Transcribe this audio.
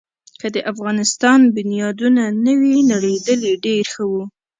که د افغانستان بنیادونه نه وی نړېدلي، ډېر ښه وو.